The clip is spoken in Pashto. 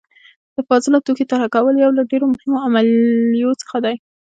د فاضله توکي طرحه کول یو له ډیرو مهمو عملیو څخه دي.